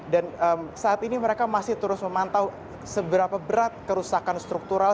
dan saat ini mereka masih terus memantau seberapa berat kerusakan struktural